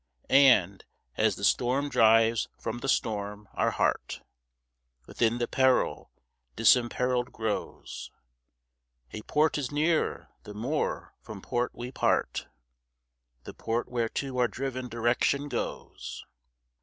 And, as the storm drives from the storm, our heart Within the peril disimperilled grows; A port is near the more from port we part— The port whereto our driven direction goes.